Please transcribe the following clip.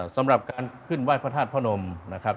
สำหรับการขึ้นไหว้พระธาตุพระนมนะครับ